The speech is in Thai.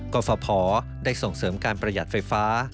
กรฟพได้ส่งเสริมการประหยัดไฟฟ้า